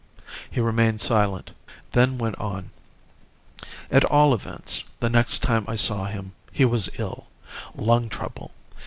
He remained silent. Then went on "At all events, the next time I saw him he was ill lung trouble.